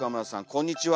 こんにちは。